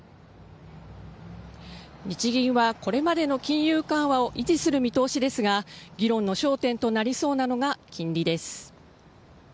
日銀はこれまでの金融緩和を維持する見通しですが、議論の焦点となりそうなのが金利です。